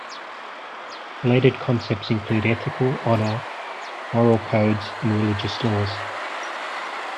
Related concepts include ethical, honor, moral codes and religious laws.